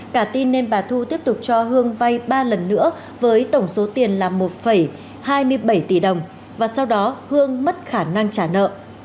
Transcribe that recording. cả tin nên bà thu tiếp tục cho hương vay ba lần nữa với tổng số tiền là một hai mươi bảy tỷ đồng và sau đó hương mất khả năng trả nợ